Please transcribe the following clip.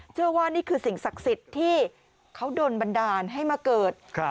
เชื่อว่านี่คือสิ่งศักดิ์สิทธิ์ที่เขาโดนบันดาลให้มาเกิด